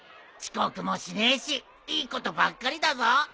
遅刻もしねえしいいことばっかりだぞ。